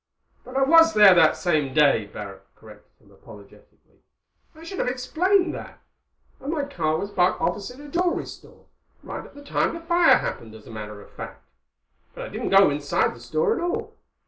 "But I was there that same day," Barrack corrected him apologetically. "I should have explained that. And my car was parked opposite a jewelry store—right at the time the fire happened, as a matter of fact. But I didn't go inside the store at all.